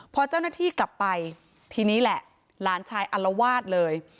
พอเจ้าหน้าที่กลับไปทีนี้แหละหลานชายอัลวาดเลย